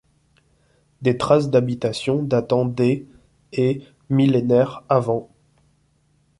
Des traces d'habitations datant des et millénaires av.